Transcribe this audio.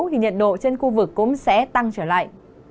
thì nhiệt độ trên khu vực cũng sẽ tăng trở lại